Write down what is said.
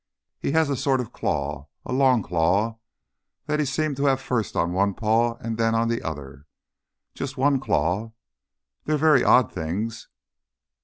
"He has a sort of claw a long claw that he seemed to have first on one paw and then on the other. Just one claw. They're very odd things.